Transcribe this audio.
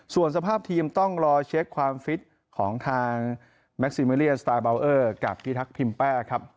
ส่วนสภาพทีมต้องรอเช็คความฟิตของทางแม็กซิมิเลียสไตลบาวเออร์กับพิทักษ์พิมแป้ครับ